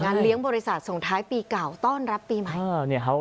งานเลี้ยงบริษัททรงท้ายปีเก่าต้อนรับปีใหม่อ้าวเนี่ยเขา